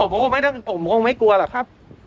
ผมคงไม่กลัวหรอกครับ